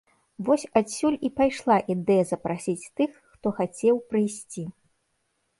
Вось адсюль і пайшла ідэя запрасіць тых, хто хацеў прыйсці.